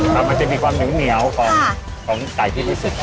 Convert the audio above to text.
แล้วมันจะมีความเหนียวของไก่ที่รู้สึก